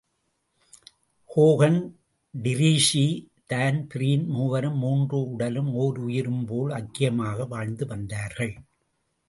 Hogan, Treacy, Dan Breen மூவரும் மூன்று உடலும் ஒருயிரும் போல் ஐக்கியமாக வாழ்ந்து வந்தார்கள்.